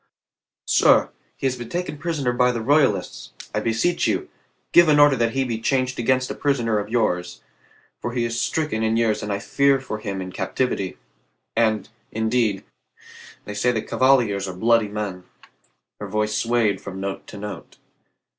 "Sir, he has been taken prisoner by the Royalists. I beseech you, give an order that he be changed against a prisoner of yours, for he is stricken in years and I fear for him in captivity. And, indeed, they say the Cavaliers are bloody men." Her voice swayed from note to note.